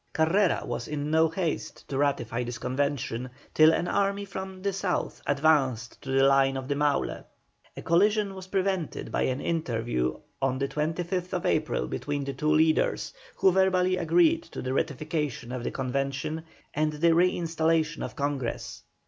Carrera was in no haste to ratify this convention, till an army from the South advanced to the line of the Maule. A collision was prevented by an interview on the 25th April between the two leaders, who verbally agreed to the ratification of the convention and the re installation of Congress.